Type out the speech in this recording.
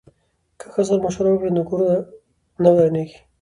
که ښځو سره مشوره وکړو نو کور نه ورانیږي.